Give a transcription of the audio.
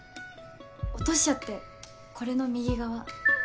落としちゃってこれの右側。